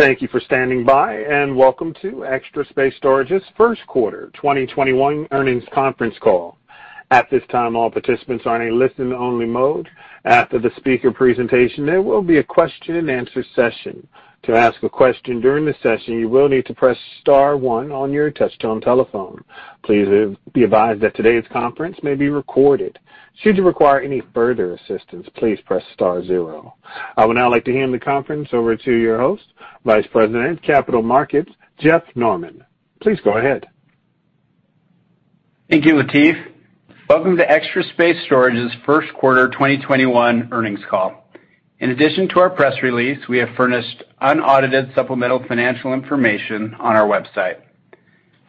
Thank you for standing by, and welcome to Extra Space Storage's first quarter 2021 earnings conference call. I would now like to hand the conference over to your host, Vice President, Capital Markets, Jeff Norman. Please go ahead. Thank you, Lateef. Welcome to Extra Space Storage's first quarter 2021 earnings call. In addition to our press release, we have furnished unaudited supplemental financial information on our website.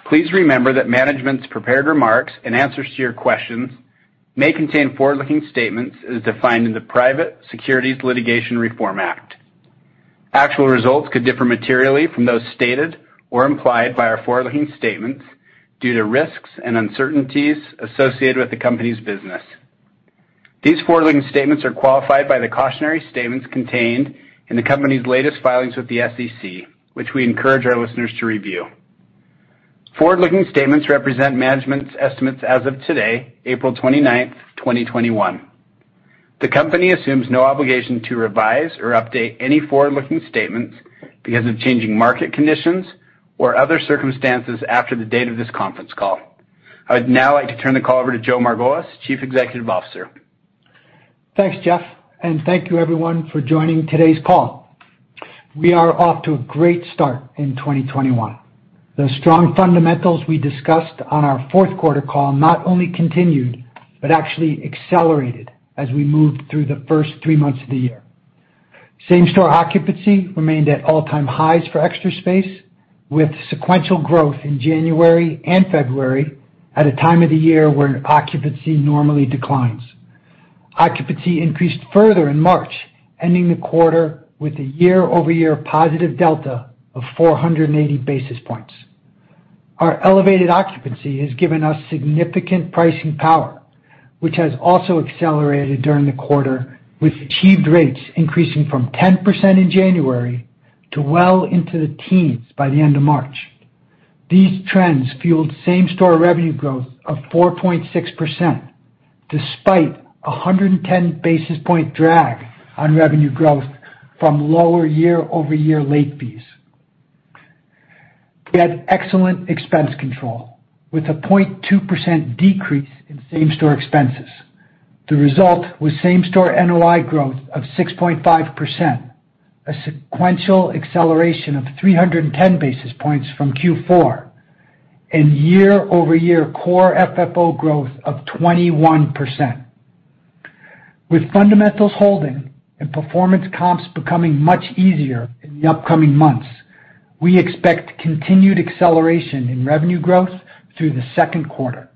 Please remember that management's prepared remarks and answers to your questions may contain forward-looking statements as defined in the Private Securities Litigation Reform Act. Actual results could differ materially from those stated or implied by our forward-looking statements due to risks and uncertainties associated with the company's business. These forward-looking statements are qualified by the cautionary statements contained in the company's latest filings with the SEC, which we encourage our listeners to review. Forward-looking statements represent management's estimates as of today, April 29th, 2021. The company assumes no obligation to revise or update any forward-looking statements because of changing market conditions or other circumstances after the date of this conference call. I would now like to turn the call over to Joe Margolis, Chief Executive Officer. Thanks, Jeff, and thank you everyone for joining today's call. We are off to a great start in 2021. The strong fundamentals we discussed on our fourth quarter call not only continued, but actually accelerated as we moved through the first three months of the year. Same-store occupancy remained at all-time highs for Extra Space, with sequential growth in January and February at a time of the year when occupancy normally declines. Occupancy increased further in March, ending the quarter with a year-over-year positive delta of 480 basis points. Our elevated occupancy has given us significant pricing power, which has also accelerated during the quarter, with achieved rates increasing from 10% in January to well into the teens by the end of March. These trends fueled same-store revenue growth of 4.6%, despite 110 basis point drag on revenue growth from lower year-over-year late fees. We had excellent expense control, with a 0.2% decrease in same-store expenses. The result was same-store NOI growth of 6.5%, a sequential acceleration of 310 basis points from Q4, and year-over-year core FFO growth of 21%. With fundamentals holding and performance comps becoming much easier in the upcoming months, we expect continued acceleration in revenue growth through the second quarter.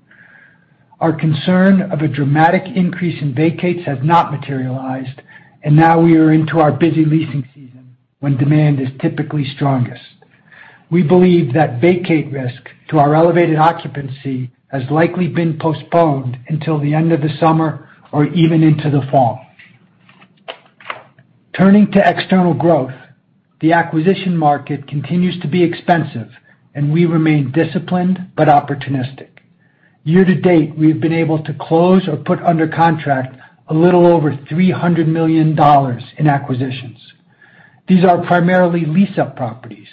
Our concern of a dramatic increase in vacates has not materialized, and now we are into our busy leasing season when demand is typically strongest. We believe that vacate risk to our elevated occupancy has likely been postponed until the end of the summer or even into the fall. Turning to external growth, the acquisition market continues to be expensive and we remain disciplined but opportunistic. Year-to-date, we've been able to close or put under contract a little over $300 million in acquisitions. These are primarily lease-up properties,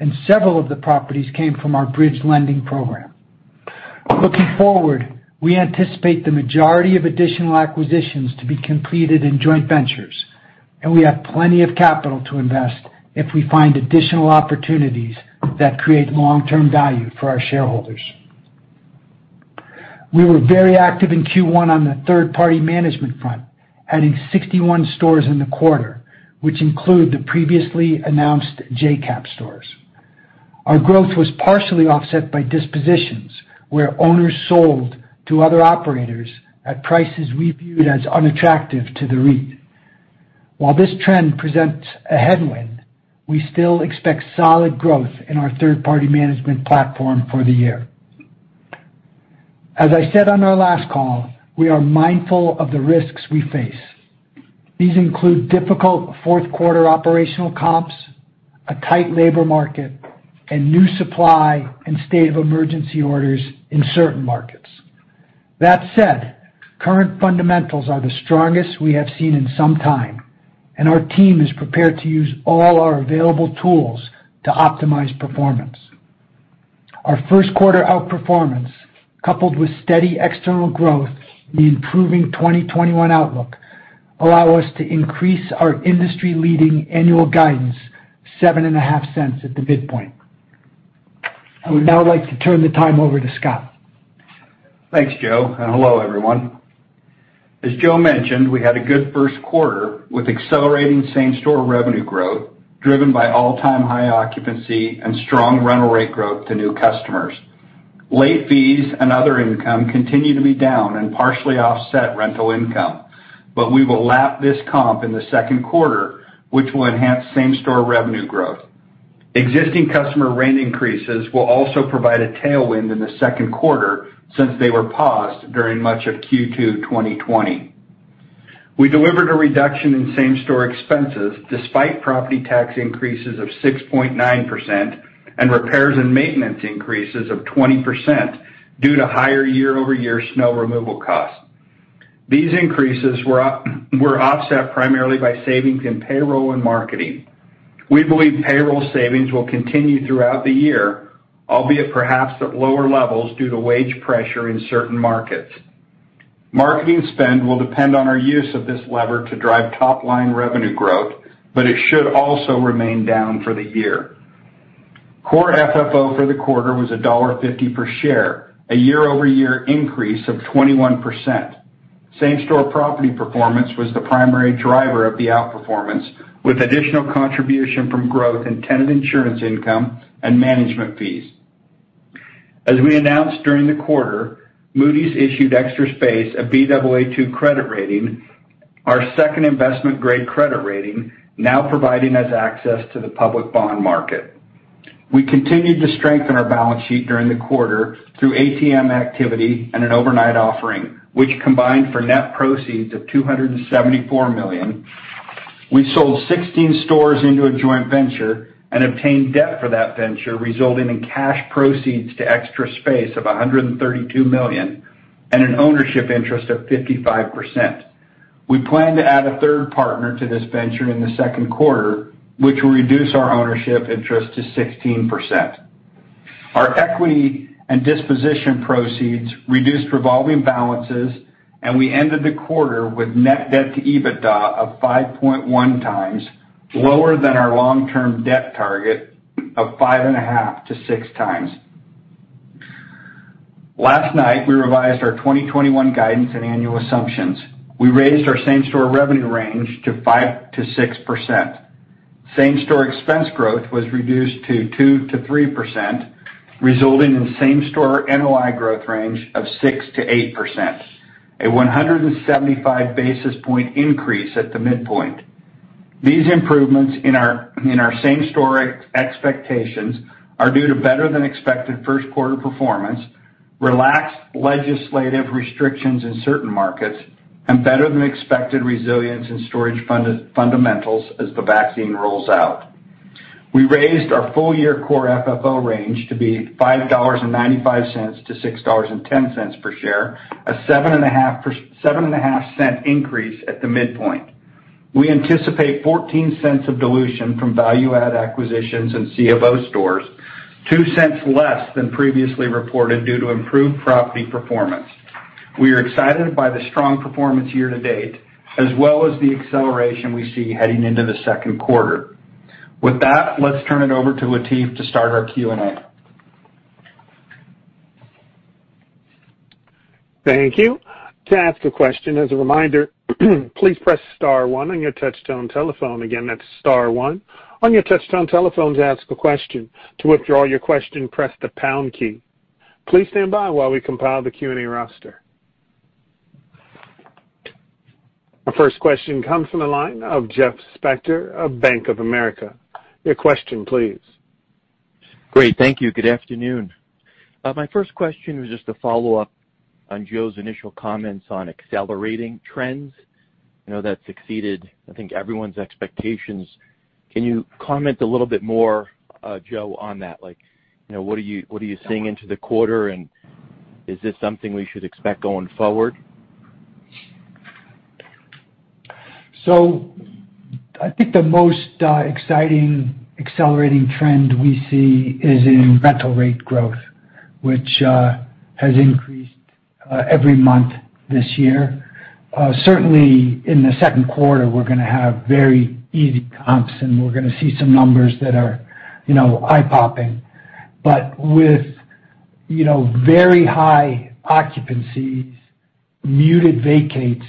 and several of the properties came from our bridge lending program. Looking forward, we anticipate the majority of additional acquisitions to be completed in joint ventures, and we have plenty of capital to invest if we find additional opportunities that create long-term value for our shareholders. We were very active in Q1 on the third-party management front, adding 61 stores in the quarter, which include the previously announced JCAP stores. Our growth was partially offset by dispositions, where owners sold to other operators at prices we viewed as unattractive to the REIT. While this trend presents a headwind, we still expect solid growth in our third-party management platform for the year. As I said on our last call, we are mindful of the risks we face. These include difficult fourth quarter operational comps, a tight labor market, and new supply and state of emergency orders in certain markets. That said, current fundamentals are the strongest we have seen in some time, and our team is prepared to use all our available tools to optimize performance. Our first quarter outperformance, coupled with steady external growth and the improving 2021 outlook, allow us to increase our industry-leading annual guidance $0.075 at the midpoint. I would now like to turn the time over to Scott. Thanks, Joe. Hello, everyone. As Joe mentioned, we had a good first quarter with accelerating same-store revenue growth driven by all-time high occupancy and strong rental rate growth to new customers. Late fees and other income continue to be down and partially offset rental income. We will lap this comp in the second quarter, which will enhance same-store revenue growth. Existing customer rent increases will also provide a tailwind in the second quarter since they were paused during much of Q2 2020. We delivered a reduction in same-store expenses despite property tax increases of 6.9% and repairs and maintenance increases of 20% due to higher year-over-year snow removal costs. These increases were offset primarily by savings in payroll and marketing. We believe payroll savings will continue throughout the year, albeit perhaps at lower levels due to wage pressure in certain markets. Marketing spend will depend on our use of this lever to drive top-line revenue growth, but it should also remain down for the year. Core FFO for the quarter was $1.50 per share, a year-over-year increase of 21%. Same-store property performance was the primary driver of the outperformance, with additional contribution from growth in tenant insurance income and management fees. As we announced during the quarter, Moody's issued Extra Space a Baa2 credit rating, our second investment-grade credit rating, now providing us access to the public bond market. We continued to strengthen our balance sheet during the quarter through ATM activity and an overnight offering, which combined for net proceeds of $274 million. We sold 16 stores into a joint venture and obtained debt for that venture, resulting in cash proceeds to Extra Space of $132 million and an ownership interest of 55%. We plan to add a third partner to this venture in the second quarter, which will reduce our ownership interest to 16%. Our equity and disposition proceeds reduced revolving balances, and we ended the quarter with net debt to EBITDA of 5.1x, lower than our long-term debt target of 5.5 to 6x. Last night, we revised our 2021 guidance and annual assumptions. We raised our same-store revenue range to 5%-6%. Same-store expense growth was reduced to 2%-3%, resulting in same-store NOI growth range of 6%-8%, a 175 basis point increase at the mid-point. These improvements in our same-store expectations are due to better-than-expected first-quarter performance, relaxed legislative restrictions in certain markets, and better-than-expected resilience in storage fundamentals as the vaccine rolls out. We raised our full-year core FFO range to be $5.95-$6.10 per share, a $0.075 increase at the mid-point. We anticipate $0.14 of dilution from value-add acquisitions in CFO stores, $0.02 less than previously reported due to improved property performance. We are excited by the strong performance year-to-date, as well as the acceleration we see heading into the second quarter. With that, let's turn it over to Lateef to start our Q&A. Thank you. To ask a question, as a reminder, please press star one on your touch-tone telephone. That's star one on your touch-tone telephone to ask a question. To withdraw your question, press the pound key. Please stand by while we compile the Q&A roster. Our first question comes from the line of Jeff Spector of Bank of America. Your question, please. Great. Thank you. Good afternoon. My first question was just a follow-up on Joe's initial comments on accelerating trends. I know that succeeded, I think, everyone's expectations. Can you comment a little bit more, Joe, on that? What are you seeing into the quarter, and is this something we should expect going forward? I think the most exciting accelerating trend we see is in rental rate growth, which has increased every month this year. Certainly, in the second quarter, we're going to have very easy comps, and we're going to see some numbers that are eye-popping. With very high occupancies, muted vacates,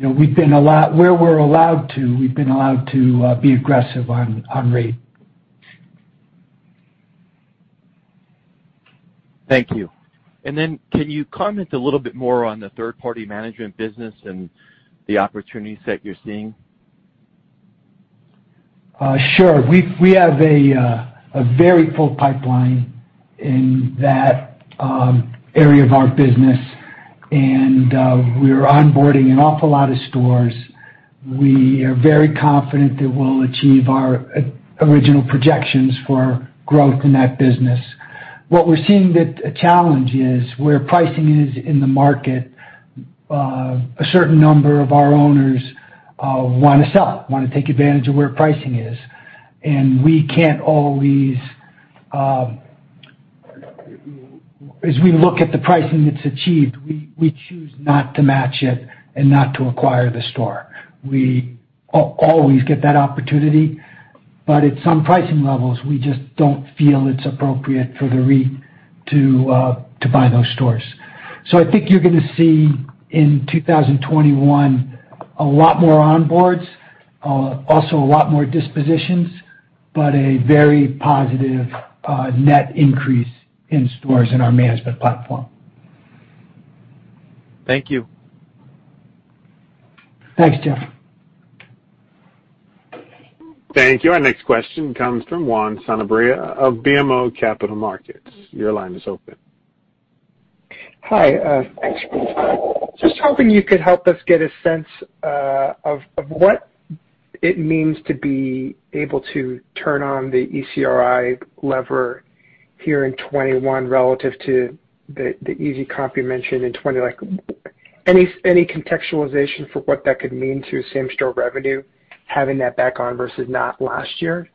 where we're allowed to, we've been allowed to be aggressive on rate. Thank you. Can you comment a little bit more on the third-party management business and the opportunities that you're seeing? Sure. We have a very full pipeline in that area of our business, and we're onboarding an awful lot of stores. We are very confident that we'll achieve our original projections for growth in that business. What we're seeing that a challenge is where pricing is in the market, a certain number of our owners want to sell, want to take advantage of where pricing is. As we look at the pricing that's achieved, we choose not to match it and not to acquire the store. We always get that opportunity, but at some pricing levels, we just don't feel it's appropriate for the REIT to buy those stores. I think you're going to see in 2021 a lot more onboards, also a lot more dispositions, but a very positive net increase in stores in our management platform. Thank you. Thanks, Jeff. Thank you. Our next question comes from Juan Sanabria of BMO Capital Markets. Your line is open. Hi. Thanks. Just hoping you could help us get a sense of what it means to be able to turn on the ECRI lever here in 2021 relative to the easy comp you mentioned in 2020. Any contextualization for what that could mean to same-store revenue, having that back on versus not last year?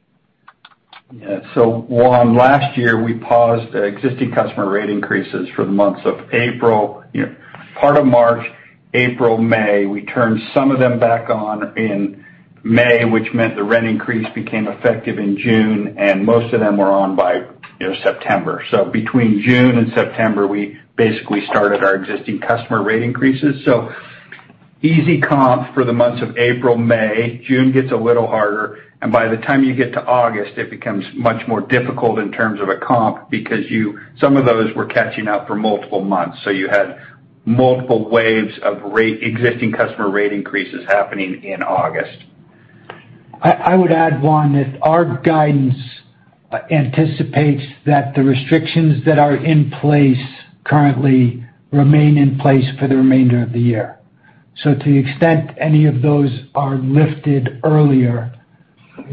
Juan, last year, we paused existing customer rate increases for the months of April, part of March, April, May. We turned some of them back on in May, which meant the rent increase became effective in June, and most of them were on by September. Between June and September, we basically started our existing customer rate increases. Easy comp for the months of April, May. June gets a little harder, and by the time you get to August, it becomes much more difficult in terms of a comp because some of those were catching up for multiple months. You had multiple waves of existing customer rate increases happening in August. I would add, Juan, that our guidance anticipates that the restrictions that are in place currently remain in place for the remainder of the year. To the extent any of those are lifted earlier,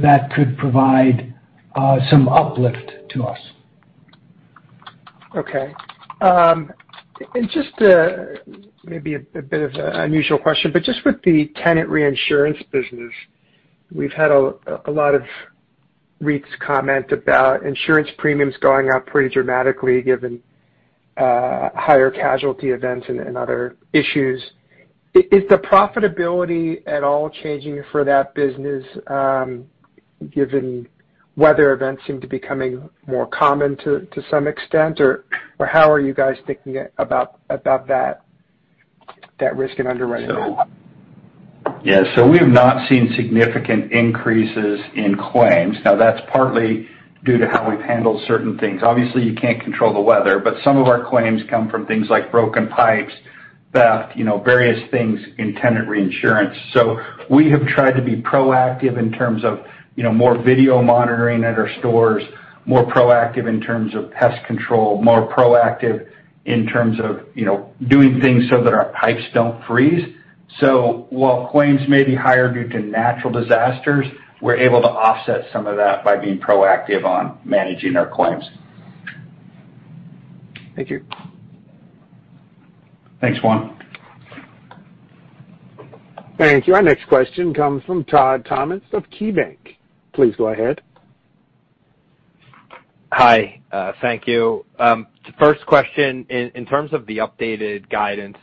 that could provide some uplift to us. Okay. Just maybe a bit of an unusual question, but just with the tenant insurance business, we've had a lot of REITs comment about insurance premiums going up pretty dramatically given higher casualty events and other issues. Is the profitability at all changing for that business given weather events seem to becoming more common to some extent, or how are you guys thinking about that risk and underwriting? Yeah, we have not seen significant increases in claims. That's partly due to how we've handled certain things. Obviously, you can't control the weather, but some of our claims come from things like broken pipes, theft, various things in tenant insurance. We have tried to be proactive in terms of more video monitoring at our stores, more proactive in terms of pest control, more proactive in terms of doing things so that our pipes don't freeze. While claims may be higher due to natural disasters, we're able to offset some of that by being proactive on managing our claims. Thank you. Thanks, Juan. Thank you. Our next question comes from Todd Thomas of KeyBank. Please go ahead. Hi. Thank you. First question, in terms of the updated guidance,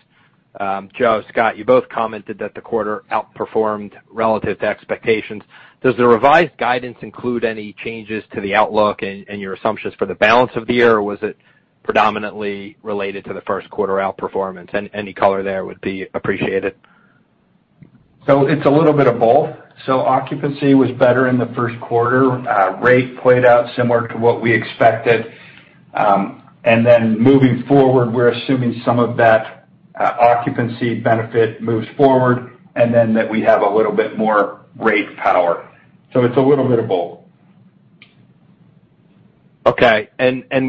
Joe, Scott, you both commented that the quarter outperformed relative to expectations. Does the revised guidance include any changes to the outlook and your assumptions for the balance of the year, or was it predominantly related to the first quarter outperformance? Any color there would be appreciated. It's a little bit of both. Occupancy was better in the first quarter. Rate played out similar to what we expected. Moving forward, we're assuming some of that occupancy benefit moves forward, and then that we have a little bit more rate power. It's a little bit of both. Okay.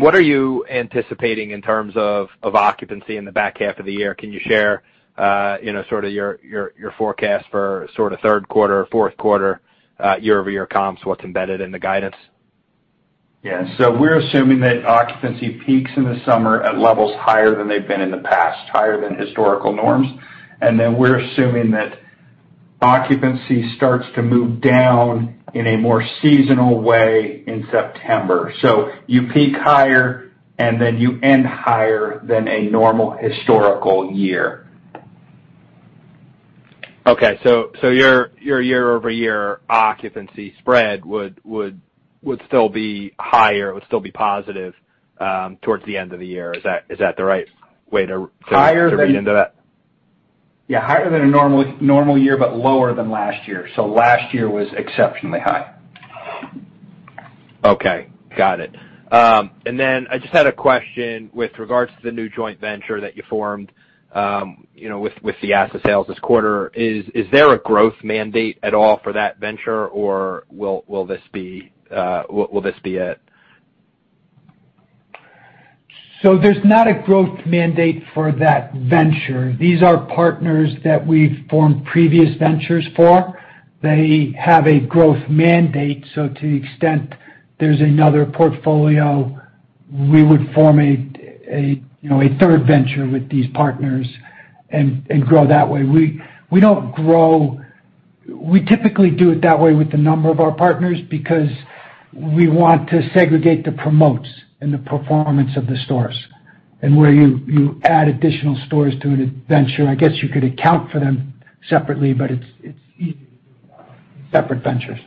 What are you anticipating in terms of occupancy in the back half of the year? Can you share your forecast for third quarter, fourth quarter year-over-year comps, what's embedded in the guidance? Yeah. We're assuming that occupancy peaks in the summer at levels higher than they've been in the past, higher than historical norms. Then we're assuming that occupancy starts to move down in a more seasonal way in September. You peak higher, and then you end higher than a normal historical year. Okay. Your year-over-year occupancy spread would still be higher, would still be positive towards the end of the year. Is that the right way to- Higher than- read into that? Yeah, higher than a normal year, but lower than last year. Last year was exceptionally high. Okay. Got it. I just had a question with regards to the new joint venture that you formed with the asset sales this quarter. Is there a growth mandate at all for that venture, or will this be it? There's not a growth mandate for that venture. These are partners that we've formed previous ventures for. They have a growth mandate, so to the extent there's another portfolio, we would form a third venture with these partners and grow that way. We typically do it that way with a number of our partners because we want to segregate the promotes and the performance of the stores. Where you add additional stores to a venture, I guess you could account for them separately, but it's easier to do separate ventures.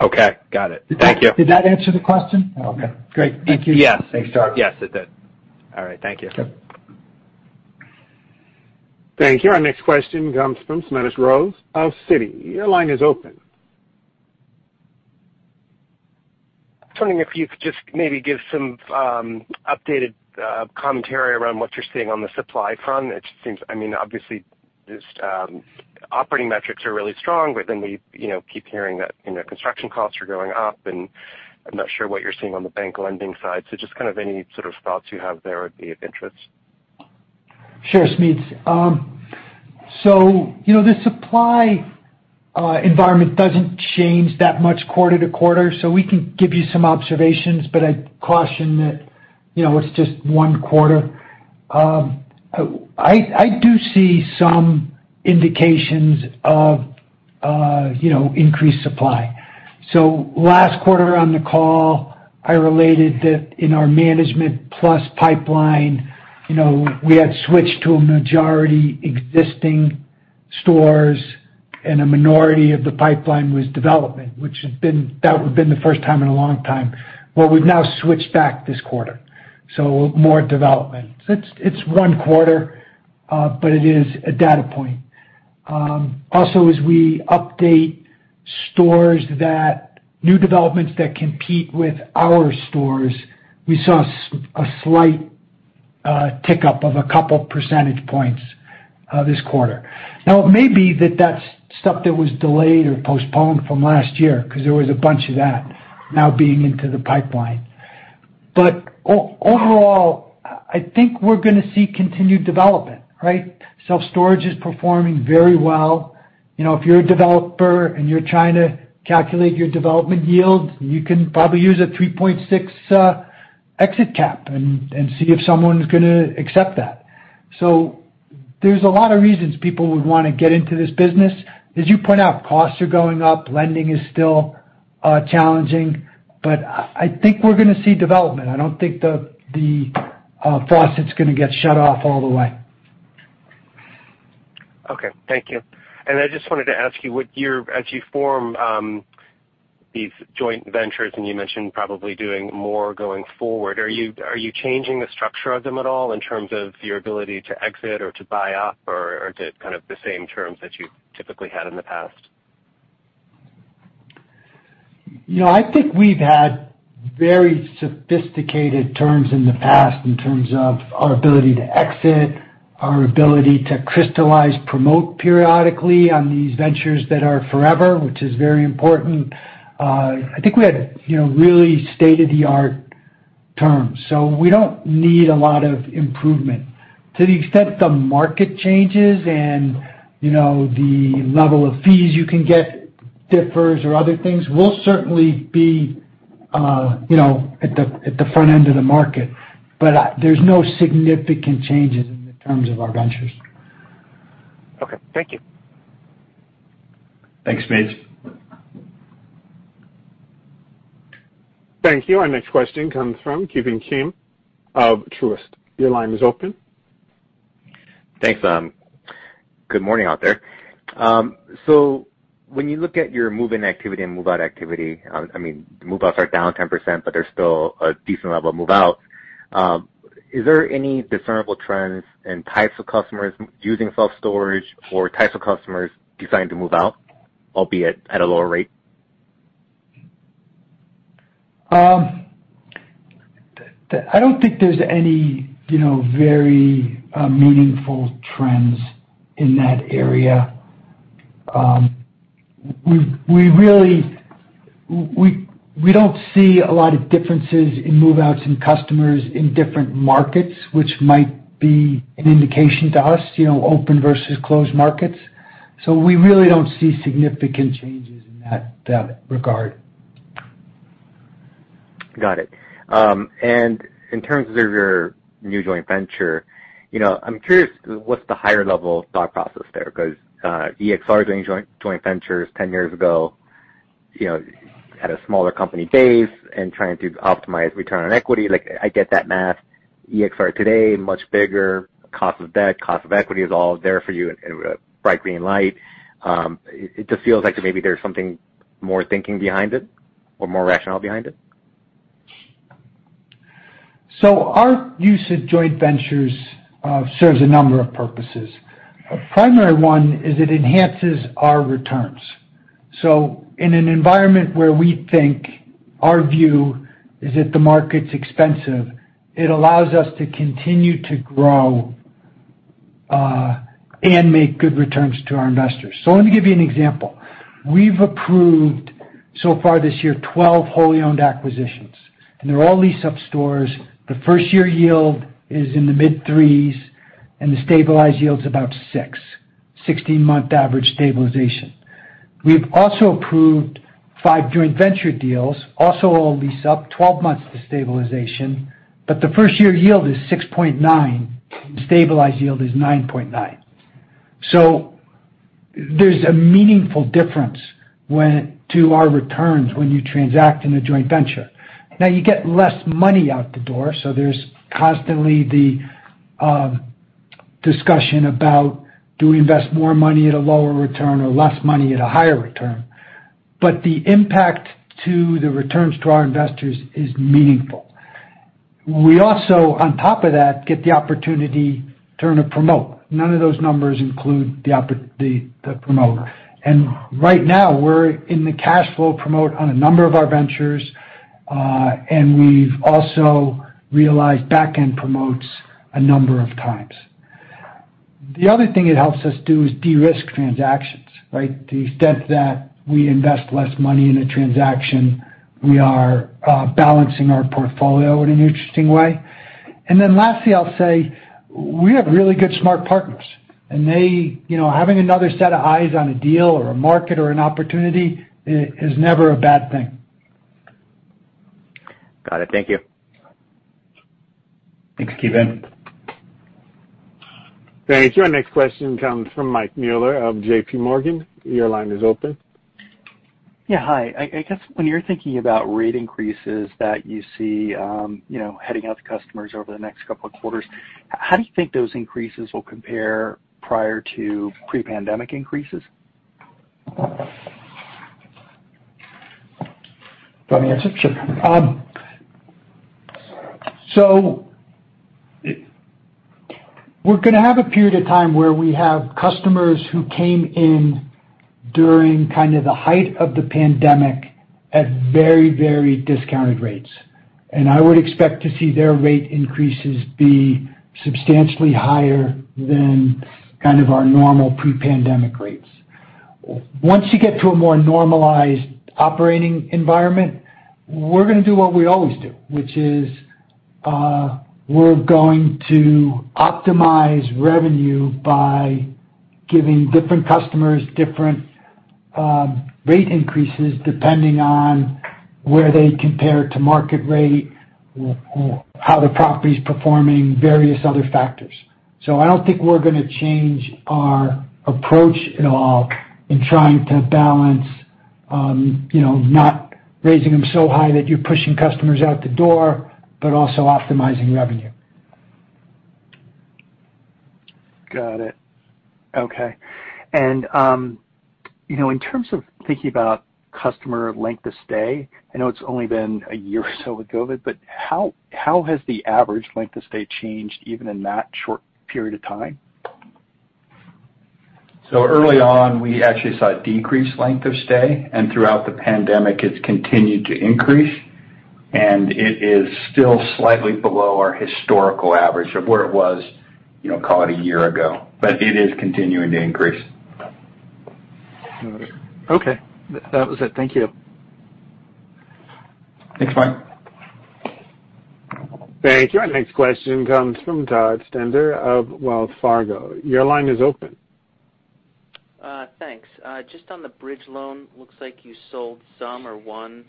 Okay. Got it. Thank you. Did that answer the question? Okay, great. Thank you. Yes. Thanks, Todd. Yes, it did. All right. Thank you. Sure. Thank you. Our next question comes from Smedes Rose of Citi. Your line is open. I was wondering if you could just maybe give some updated commentary around what you're seeing on the supply front. It seems, obviously, operating metrics are really strong. We keep hearing that construction costs are going up. I'm not sure what you're seeing on the bank lending side. Just kind of any sort of thoughts you have there would be of interest. Sure, Smedes. The supply environment doesn't change that much quarter to quarter. We can give you some observations, but I'd caution that it's just one quarter. I do see some indications of increased supply. Last quarter on the call, I related that in our Management Plus pipeline, we had switched to a majority existing stores and a minority of the pipeline was development, which that would've been the first time in a long time. We've now switched back this quarter, more development. It's one quarter, but it is a data point. Also as we update stores that new developments that compete with our stores, we saw a slight tick up of a couple percentage points this quarter. It may be that that's stuff that was delayed or postponed from last year because there was a bunch of that now being into the pipeline. Overall, I think we're going to see continued development, right? Self-storage is performing very well. If you're a developer and you're trying to calculate your development yield, you can probably use a 3.6 exit cap and see if someone's going to accept that. There's a lot of reasons people would want to get into this business. As you point out, costs are going up, lending is still challenging, but I think we're going to see development. I don't think the faucet's going to get shut off all the way. Okay. Thank you. I just wanted to ask you, as you form these joint ventures, and you mentioned probably doing more going forward, are you changing the structure of them at all in terms of your ability to exit or to buy up, or are they kind of the same terms that you've typically had in the past? I think we've had very sophisticated terms in the past in terms of our ability to exit, our ability to crystallize, promote periodically on these ventures that are forever, which is very important. I think we had really state-of-the-art terms, so we don't need a lot of improvement. To the extent the market changes and the level of fees you can get differs or other things, we'll certainly be at the front end of the market. There's no significant changes in the terms of our ventures. Okay. Thank you. Thanks, Smedes. Thank you. Our next question comes from Ki Bin Kim of Truist. Your line is open. Thanks. Good morning out there. When you look at your move-in activity and move-out activity, move-outs are down 10%, but there's still a decent level of move-out. Is there any discernible trends in types of customers using self-storage or types of customers deciding to move out, albeit at a lower rate? I don't think there's any very meaningful trends in that area. We don't see a lot of differences in move-outs in customers in different markets, which might be an indication to us, open versus closed markets. We really don't see significant changes in that regard. Got it. In terms of your new joint venture, I'm curious, what's the higher-level thought process there? EXR doing joint ventures 10 years ago at a smaller company base and trying to optimize return on equity, like I get that math. EXR today, much bigger, cost of debt, cost of equity is all there for you in a bright green light. It just feels like maybe there's something more thinking behind it or more rationale behind it. Our use of joint ventures serves a number of purposes. A primary one is it enhances our returns. In an environment where we think our view is that the market's expensive, it allows us to continue to grow and make good returns to our investors. Let me give you an example. We've approved, so far this year, 12 wholly owned acquisitions, and they're all leased-up stores. The first-year yield is in the mid threes, and the stabilized yield's about six, 16-month average stabilization. We've also approved five joint venture deals, also all leased up, 12 months to stabilization, but the first-year yield is 6.9, and the stabilized yield is 9.9. There's a meaningful difference to our returns when you transact in a joint venture. You get less money out the door, there's constantly the discussion about do we invest more money at a lower return or less money at a higher return? The impact to the returns to our investors is meaningful. We also, on top of that, get the opportunity to promote. None of those numbers include the promote. Right now, we're in the cash flow promote on a number of our ventures, and we've also realized back-end promotes a number of times. The other thing it helps us do is de-risk transactions, right? To the extent that we invest less money in a transaction, we are balancing our portfolio in an interesting way. Lastly, I'll say, we have really good smart partners. Having another set of eyes on a deal or a market or an opportunity is never a bad thing. Got it. Thank you. Thanks, Ki Bin Kim. Thank you. Our next question comes from Mike Mueller of JPMorgan. Your line is open. Yeah, hi. I guess, when you're thinking about rate increases that you see heading out to customers over the next couple of quarters, how do you think those increases will compare prior to pre-pandemic increases? Do you want me to answer? Sure. We're going to have a period of time where we have customers who came in during kind of the height of the pandemic at very, very discounted rates. I would expect to see their rate increases be substantially higher than kind of our normal pre-pandemic rates. Once you get to a more normalized operating environment, we're going to do what we always do, which is, we're going to optimize revenue by giving different customers different rate increases depending on where they compare to market rate or how the property's performing, various other factors. I don't think we're going to change our approach at all in trying to balance not raising them so high that you're pushing customers out the door, but also optimizing revenue. Got it. Okay. In terms of thinking about customer length of stay, I know it's only been a year or so with COVID, but how has the average length of stay changed even in that short period of time? Early on, we actually saw a decreased length of stay, and throughout the pandemic, it's continued to increase, and it is still slightly below our historical average of where it was call it a year ago. It is continuing to increase. Okay. That was it. Thank you. Thanks, Mike. Thank you. Our next question comes from Todd Stender of Wells Fargo. Your line is open. Thanks. Just on the bridge loan, looks like you sold some or one.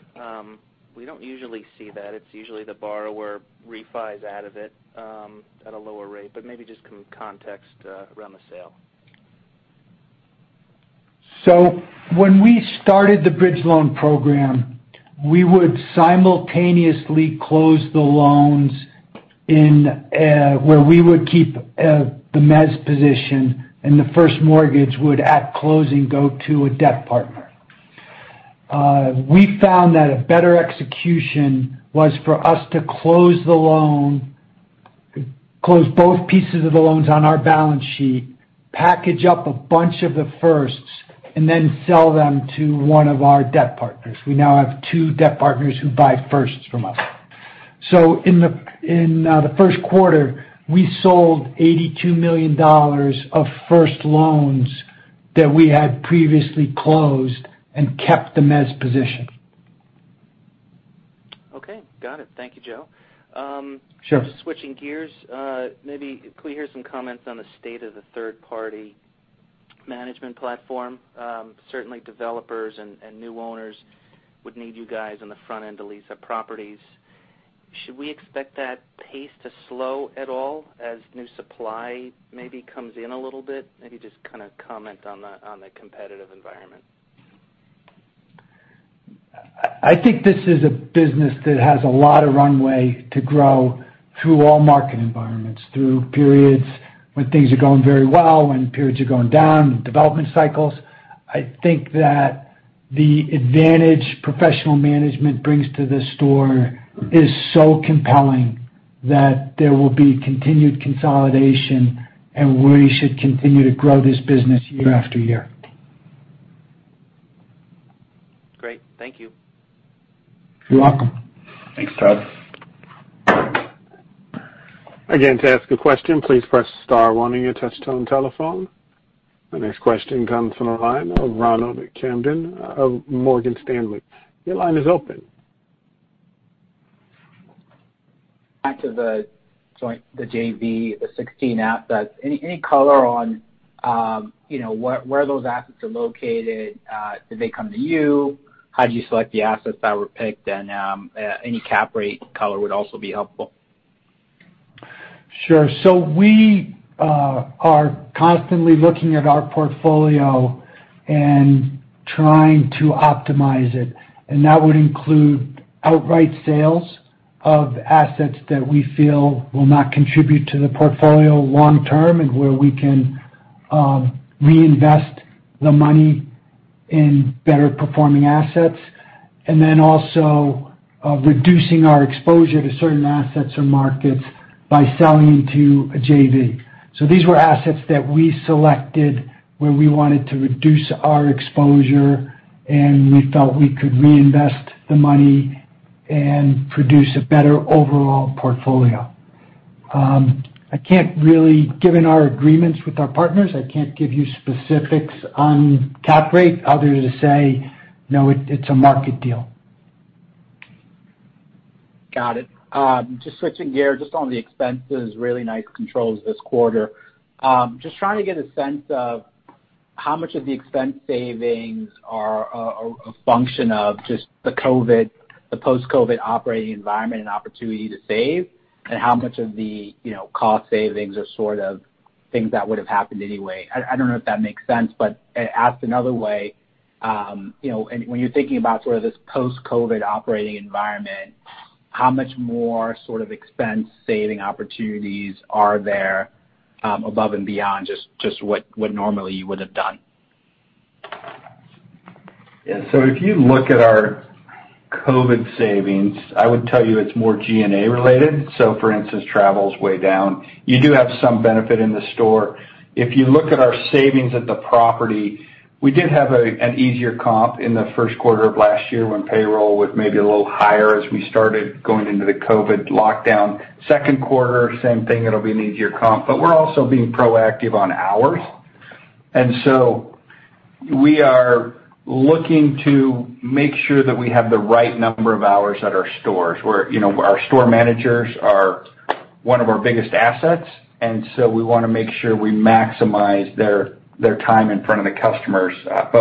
We don't usually see that. It's usually the borrower refis out of it at a lower rate. Maybe just some context around the sale. When we started the bridge loan program, we would simultaneously close the loans where we would keep the mezz position, and the first mortgage would, at closing, go to a debt partner. We found that a better execution was for us to close both pieces of the loans on our balance sheet, package up a bunch of the firsts, and then sell them to one of our debt partners. We now have two debt partners who buy firsts from us. In the first quarter, we sold $82 million of first loans that we had previously closed and kept the mezz position. Okay. Got it. Thank you, Joe. Sure. Just switching gears, maybe could we hear some comments on the state of the third-party management platform? Certainly, developers and new owners would need you guys on the front end to lease their properties. Should we expect that pace to slow at all as new supply maybe comes in a little bit? Maybe just comment on the competitive environment. I think this is a business that has a lot of runway to grow through all market environments, through periods when things are going very well, when periods are going down, development cycles. I think that the advantage professional management brings to the store is so compelling that there will be continued consolidation, and we should continue to grow this business year after year. Great. Thank you. You're welcome. Thanks, Todd. To ask a question, please press star one on your touchtone telephone. The next question comes from the line of Ronald Kamdem of Morgan Stanley. Your line is open. Back to the joint, the JV, the 16 assets. Any color on where those assets are located? Did they come to you? How'd you select the assets that were picked? Any cap rate color would also be helpful. Sure. We are constantly looking at our portfolio and trying to optimize it, and that would include outright sales of assets that we feel will not contribute to the portfolio long term and where we can reinvest the money in better performing assets, and then also reducing our exposure to certain assets or markets by selling to a JV. These were assets that we selected where we wanted to reduce our exposure, and we felt we could reinvest the money and produce a better overall portfolio. Given our agreements with our partners, I can't give you specifics on cap rate other than to say, no, it's a market deal. Got it. Just switching gears, just on the expenses, really nice controls this quarter. Just trying to get a sense of how much of the expense savings are a function of just the post-COVID operating environment and opportunity to save, and how much of the cost savings are sort of things that would've happened anyway. I don't know if that makes sense, but asked another way, when you're thinking about sort of this post-COVID operating environment, how much more sort of expense saving opportunities are there above and beyond just what normally you would have done? Yeah. If you look at our COVID savings, I would tell you it's more G&A related. For instance, travel's way down. You do have some benefit in the store. If you look at our savings at the property, we did have an easier comp in the first quarter of last year when payroll was maybe a little higher as we started going into the COVID lockdown. Second quarter, same thing, it'll be an easier comp, but we're also being proactive on hours. We are looking to make sure that we have the right number of hours at our stores, where our store managers are one of our biggest assets, we want to make sure we maximize their time in front of the customers.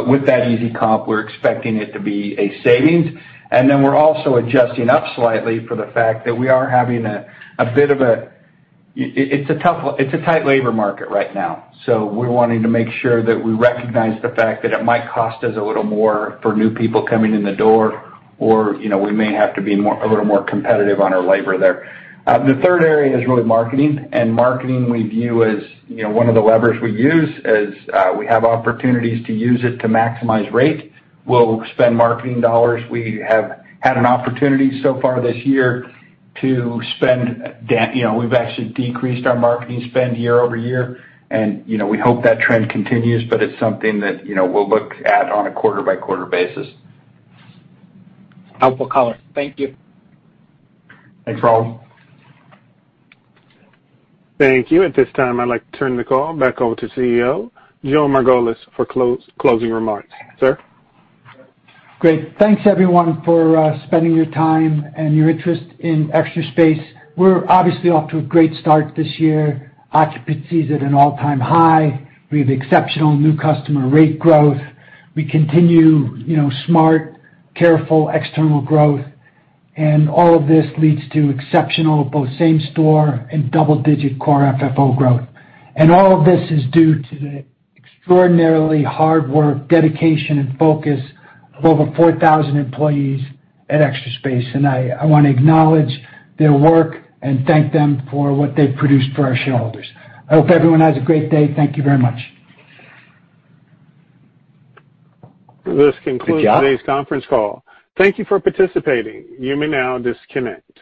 With that easy comp, we're expecting it to be a savings. We're also adjusting up slightly for the fact that we are having a tight labor market right now, so we're wanting to make sure that we recognize the fact that it might cost us a little more for new people coming in the door, or we may have to be a little more competitive on our labor there. The third area is really marketing, and marketing we view as one of the levers we use. As we have opportunities to use it to maximize rate, we'll spend marketing dollars. We have had an opportunity so far this year to spend. We've actually decreased our marketing spend year-over-year, and we hope that trend continues, but it's something that we'll look at on a quarter-by-quarter basis. Helpful color. Thank you. Thanks, Ronald. Thank you. At this time, I'd like to turn the call back over to CEO, Joe Margolis, for closing remarks. Sir? Great. Thanks, everyone, for spending your time and your interest in Extra Space. We're obviously off to a great start this year. Occupancy is at an all-time high. We have exceptional new customer rate growth. We continue smart, careful external growth. All of this leads to exceptional both same store and double-digit core FFO growth. All of this is due to the extraordinarily hard work, dedication, and focus of over 4,000 employees at Extra Space, and I want to acknowledge their work and thank them for what they've produced for our shareholders. I hope everyone has a great day. Thank you very much. This concludes- Good job. today's conference call. Thank you for participating. You may now disconnect.